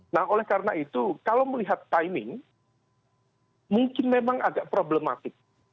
nah oleh karena itu kalau melihat timing mungkin memang agak problematik